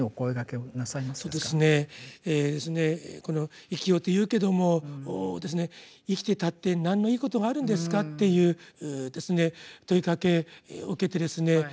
この「生きよ」と言うけども「生きていたって何のいいことがあるんですか」っていう問いかけを受けてですね